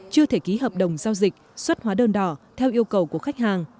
chưa thể ký hợp đồng giao dịch xuất hóa đơn đỏ theo yêu cầu của khách hàng